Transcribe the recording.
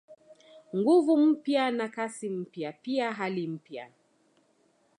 Nguvu mpya na Kasi mpya pia hali mpya